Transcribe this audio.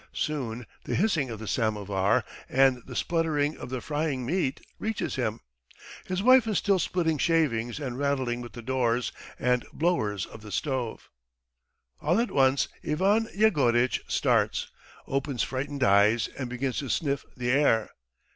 Soon the hissing of the samovar and the spluttering of the frying meat reaches him. His wife is still splitting shavings and rattling with the doors and blowers of the stove. All at once Ivan Yegoritch starts, opens frightened eyes, and begins to sniff the air.